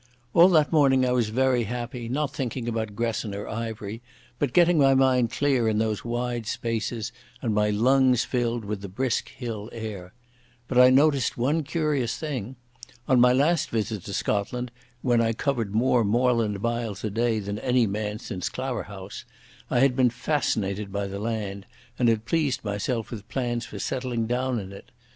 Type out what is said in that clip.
All that morning I was very happy, not thinking about Gresson or Ivery, but getting my mind clear in those wide spaces, and my lungs filled with the brisk hill air. But I noticed one curious thing. On my last visit to Scotland, when I covered more moorland miles a day than any man since Claverhouse, I had been fascinated by the land, and had pleased myself with plans for settling down in it.